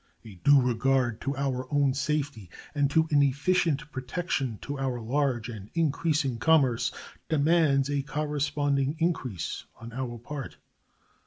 A due regard to our own safety and to an efficient protection to our large and increasing commerce demands a corresponding increase on our part.